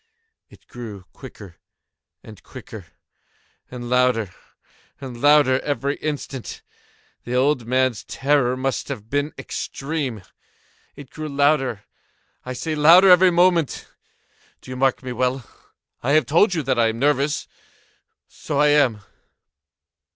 It grew quicker and quicker, and louder and louder every instant. The old man's terror must have been extreme! It grew louder, I say, louder every moment!—do you mark me well? I have told you that I am nervous: so I am.